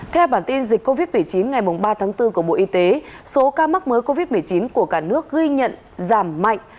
theo bản tin dịch covid một mươi chín ngày ba tháng bốn của bộ y tế số ca mắc mới covid một mươi chín của cả nước ghi nhận giảm mạnh